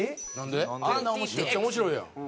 めっちゃ面白いやん。